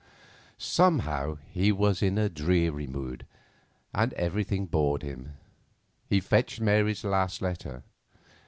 Somehow he was in a dreary mood, and everything bored him. He fetched Mary's last letter.